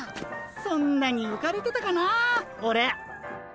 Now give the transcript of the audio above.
そんなにうかれてたかなあオレ。